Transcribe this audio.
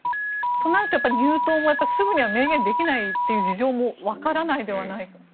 となると、入党もすぐには明言できないという事情もわからないではないという。